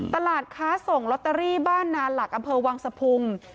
ตลาดค้าส่งลอตเตอรี่บ้านนานหลักอำเภอวังสะพุง